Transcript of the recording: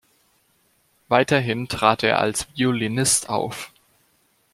Weiterhin trat er als Violinist auf.